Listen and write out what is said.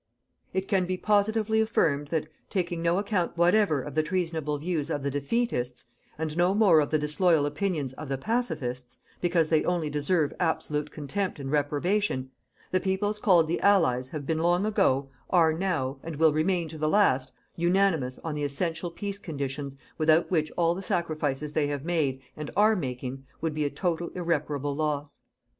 It can be positively affirmed that, taking no account whatever of the treasonable views of the defeatists, and no more of the disloyal opinions of the pacifists because they only deserve absolute contempt and reprobation the peoples called the Allies have been long ago, are now, and will remain to the last, unanimous on the essential PEACE CONDITIONS without which all the sacrifices they have made and are making would be a total irreparable loss.